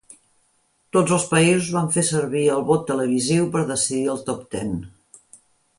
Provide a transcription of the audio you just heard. Tots el països van fer servir el vot televisiu per decidir el top ten.